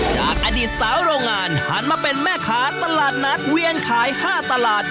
จากอดีตสาวโรงงานหันมาเป็นแม่ค้าตลาดนัดเวียนขาย๕ตลาด